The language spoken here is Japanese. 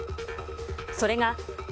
それが＃